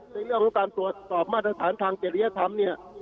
ในเรื่องของการตรวจสอบมาตรฐานทางจริยธรรมเนี่ย